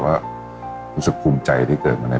แต่ตอนเด็กก็รู้ว่าคนนี้คือพระเจ้าอยู่บัวของเรา